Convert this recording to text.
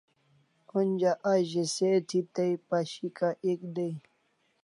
Onja a ze se thi tai pashika ek dai